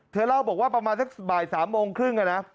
เล่าบอกว่าประมาณสักบ่าย๓โมงครึ่งนะ